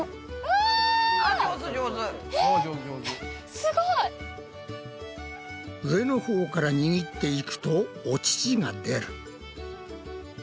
すごい！上のほうから握っていくとお乳が出る。